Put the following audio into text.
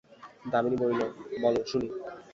দামিনী বলিল, বলো, শুনি।